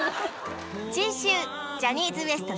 次週ジャニーズＷＥＳＴ